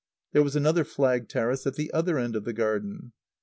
There was another flagged terrace at the other end of the garden.